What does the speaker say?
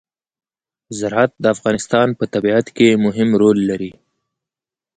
زراعت د افغانستان په طبیعت کې مهم رول لري.